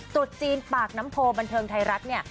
จุดจีนปากน้ำโพบันเทิงไทยรัฐเนี่ย